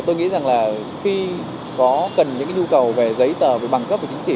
tôi nghĩ rằng là khi có cần những nhu cầu về giấy tờ bằng cấp và chính trị